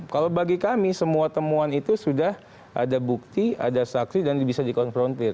kalau bagi kami semua temuan itu sudah ada bukti ada saksi dan bisa dikonfrontir